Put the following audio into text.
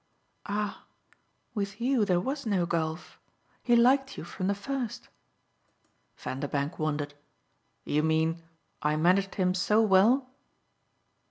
"Ah with you there was no gulf. He liked you from the first." Vanderbank wondered. "You mean I managed him so well?"